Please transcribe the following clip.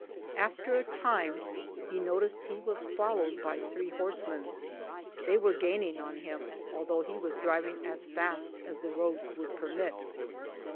After a time he noticed he was followed by three horsemen. They were gaining on him although he was driving as fast as the roads would permit.